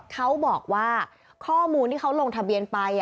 เขาบอกว่าข้อมูลที่เขาลงทะเบียนไป